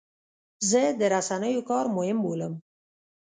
زه د رسنیو کار مهم بولم.